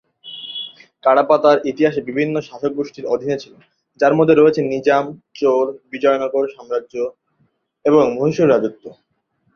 কাডাপা তার ইতিহাসে বিভিন্ন শাসকগোষ্ঠীর অধীনে ছিল, যার মধ্যে রয়েছে নিজাম, চোল, বিজয়নগর সাম্রাজ্য এবং মহীশূর রাজত্ব।